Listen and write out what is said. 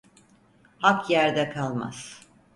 Hak yerde kalmaz.